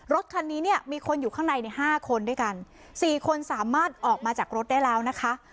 รถคันนี้เนี่ยมีคนอยู่ข้างในในห้าคนด้วยกันสี่คนสามารถออกมาจากรถได้แล้วนะคะ